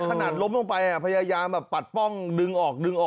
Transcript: ขนาดล้มลงไปพยายามปัดป้องดึงออกอ่ะ